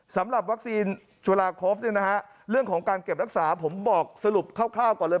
สำหรับวัคซีนชุลาโคฟเนี่ยนะฮะเรื่องของการเก็บรักษาผมบอกสรุปคร่าวก่อนเลย